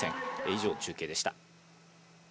以上、中継でした。